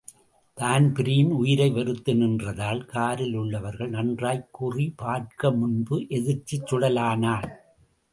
Dan Breen உயிரை வெறுத்து நின்றதால், காரிலுள்ளவர்கள் நன்றாய்க் குறிபார்க்கு முன்பே எதிர்த்துச் சுடலானான்.